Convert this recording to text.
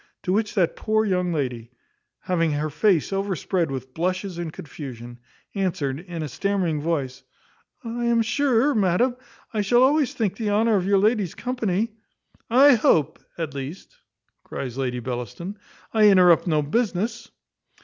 To which that poor young lady, having her face overspread with blushes and confusion, answered, in a stammering voice, "I am sure, madam, I shall always think the honour of your ladyship's company " "I hope, at least," cries Lady Bellaston, "I interrupt no business."